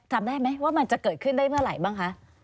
จำได้ไหมว่ามันจะเกิดขึ้นได้เมื่อไหร่บ้างคะ